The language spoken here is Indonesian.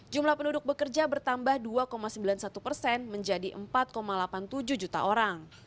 jumlah penduduk bekerja bertambah dua sembilan puluh satu persen menjadi empat delapan puluh tujuh juta orang